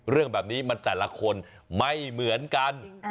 เรื่องแบบนี้มันแต่ละคนไม่เหมือนกัน